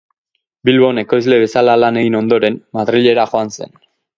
Bilbon ekoizle bezala lan egin ondoren, Madrilera joan zen.